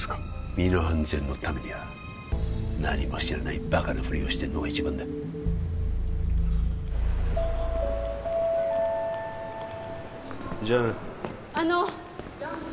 身の安全のためには何も知らないバカなフリをしてるのが一番だじゃあなあの！